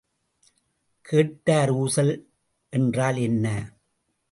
Cater ஊசல் என்றால் என்ன?